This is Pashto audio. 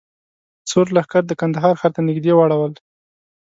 سور لښکر د کندهار ښار ته نږدې واړول.